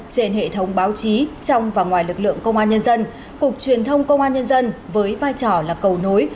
trên hệ thống báo chí trong và ngoài lực lượng công an nhân dân cục truyền thông công an nhân dân với vai trò là cầu nối